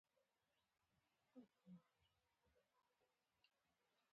ساتنه او پالنه د شتمنۍ او نعمتونو قدر دی.